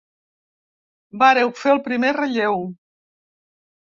Vàreu fer el primer relleu.